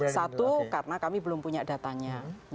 satu karena kami belum punya datanya